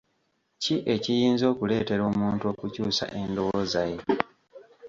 Ki ekiyinza okuleetera omuntu okukyusa endowooza ye?